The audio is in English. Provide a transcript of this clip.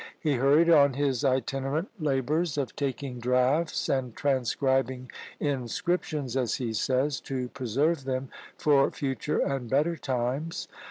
He hurried on his itinerant labours of taking draughts and transcribing inscriptions, as he says, "to preserve them for future and better times."